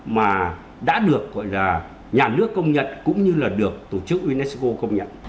mà đã được gọi là nhà nước công nhận cũng như là được tổ chức unesco công nhận